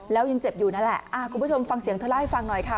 แล้วยังเจ็บอยู่นั่นแหละคุณผู้ชมฟังเสียงเธอเล่าให้ฟังหน่อยค่ะ